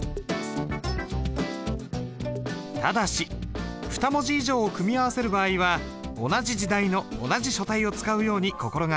ただし２文字以上を組み合わせる場合は同じ時代の同じ書体を使うように心がける。